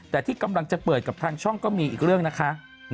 แต่ที่กำลังจะเปิดกับทางช่องก็มีอีกเรื่องนะคะ